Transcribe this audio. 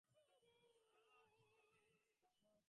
শাস্ত্রবাক্যকে ইচ্ছানুরূপ ঘুরাইয়া ব্যাখ্যা করিতে চেষ্টা করিও না।